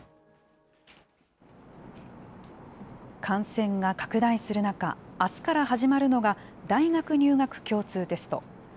感染が拡大する中、あすから始まるのが、大学入学共通テスト。